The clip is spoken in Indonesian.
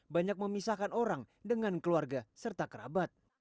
banyak memisahkan orang dengan keluarga serta kerabat